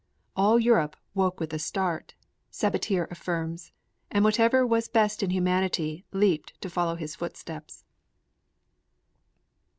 'All Europe woke with a start,' Sabatier affirms, 'and whatever was best in humanity leaped to follow his footsteps.'